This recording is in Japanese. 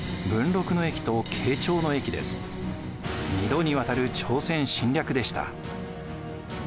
２度にわたる朝鮮侵略でした。